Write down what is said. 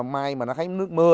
mai mà nó thấy nước mưa